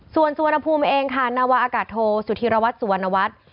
ส่วนสวนพุมเองค่ะนวอากาศโทสุธิระวัชษ์สวนวัชฌ์